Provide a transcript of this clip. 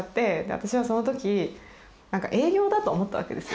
私はそのとき営業だと思ったわけですよ。